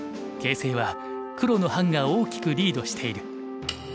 形勢は黒の范が大きくリードしている。